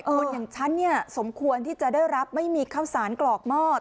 คนอย่างฉันเนี่ยสมควรที่จะได้รับไม่มีข้าวสารกรอกหม้อ